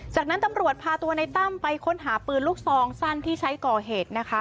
จากนั้นตำรวจพาตัวในตั้มไปค้นหาปืนลูกซองสั้นที่ใช้ก่อเหตุนะคะ